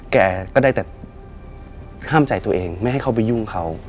แกได้ไม่ให้เขาไปยุ่งเขา